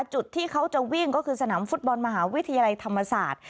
จุดที่เขาจะวิ่งก็คือสนามฟุตบอลมหาวิทยาลัยธรรมศาสตร์